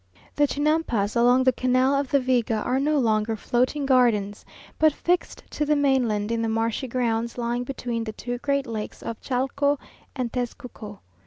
The Chinampas along the canal of the Viga are no longer floating gardens, but fixed to the mainland in the marshy grounds lying between the two great lakes of Chalco and Tezcuco.